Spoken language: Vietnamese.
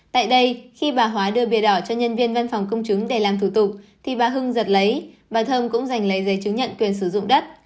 tại đây khi bà hóa đưa bìa đỏ cho nhân viên văn phòng công chứng để làm thủ tục thì bà hưng giật lấy bà thông cũng dành lấy giấy chứng nhận quyền sử dụng đất